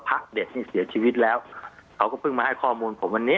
พระเด็ดนี่เสียชีวิตแล้วเขาก็เพิ่งมาให้ข้อมูลผมวันนี้